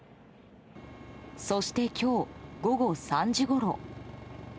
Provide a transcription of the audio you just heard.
そして今日、午後３時ごろ。